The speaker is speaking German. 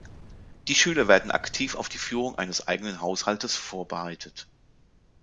Die Schüler werden aktiv auf die Führung eines eigenen Haushaltes vorbereitet.